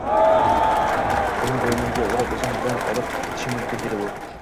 uni bo‘ynimga o‘rab o‘zim bilan olib ketishim mumkin,- dedi u.